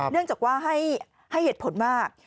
เนื่องจากว่าให้เหตุผลว่า